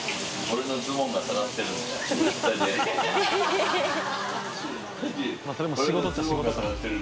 俺のズボンが下がってる。